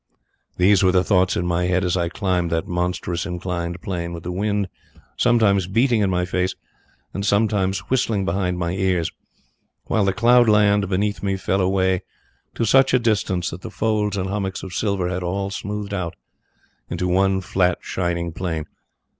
"These were the thoughts in my head as I climbed that monstrous, inclined plane with the wind sometimes beating in my face and sometimes whistling behind my ears, while the cloud land beneath me fell away to such a distance that the folds and hummocks of silver had all smoothed out into one flat, shining plain.